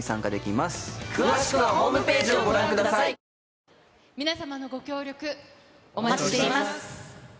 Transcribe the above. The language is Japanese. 道枝君、皆様のご協力、お待ちしています。